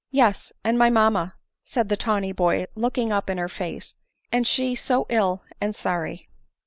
" Yes, and my mamma," said the tawny boy, looking up in her face, and she so ill and sorry."